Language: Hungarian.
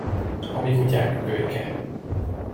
A mi kutyánk kölyke.